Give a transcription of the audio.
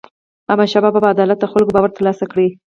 احمدشاه بابا په عدالت د خلکو باور ترلاسه کړ.